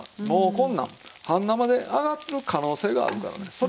もうこんなん半生であがる可能性があるからね。